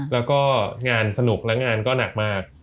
และงานสนุกและงานไว้ก็หนักมาก